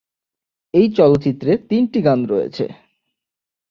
এই চলচ্চিত্রে তিনটি গান রয়েছে।